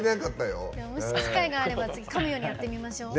もし機会があれば次かむようにやってみましょう。